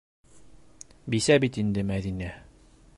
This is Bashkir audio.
Бисә бит инде Мәҙинә.